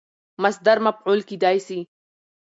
مصدر مفعول کېدای سي.